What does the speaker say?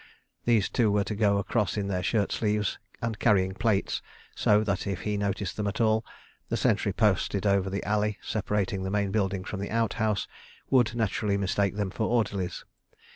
These two were to go across in their shirt sleeves and carrying plates, so that, if he noticed them at all, the sentry posted over the alley separating the main building from the outhouse would naturally mistake them for orderlies.